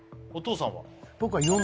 お父さんは？